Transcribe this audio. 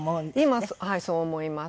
はいそう思います。